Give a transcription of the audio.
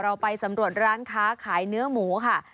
ไปสำรวจร้านค้าขายเนื้อหมูค่ะ